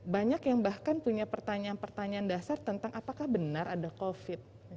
banyak yang bahkan punya pertanyaan pertanyaan dasar tentang apakah benar ada covid